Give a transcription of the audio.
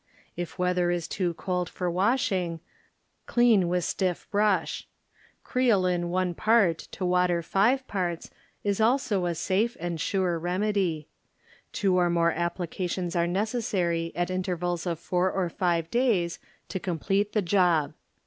If weather is too cold for wash ing, dean with stiff brush. Creolin one paii to water five parts is also a safe and sure remedy. Two or more applications are necessary at intervals of four or five days to complete the job.